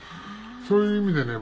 そういう意味でね